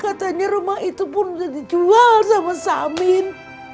katanya rumah itu pun udah dijual sama samin